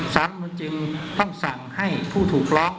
สารมันจึงต้องสั่งให้ผู้ถูกล็อก